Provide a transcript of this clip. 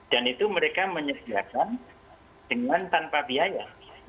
dan itu mereka menyediakan dengan tanpa biaya